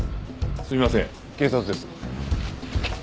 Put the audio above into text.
すみません警察です。